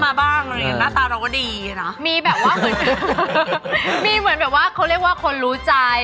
หน้าตาเราก็ดีเนอะมีแบบว่ามีเหมือนแบบว่าเขาเรียกว่าคนรู้ใจ